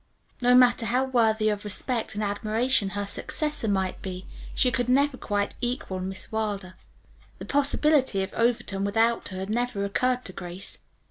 No matter how worthy of respect and admiration her successor might be, she could never quite equal Miss Wilder. The possibility of Overton without her had never occurred to Grace.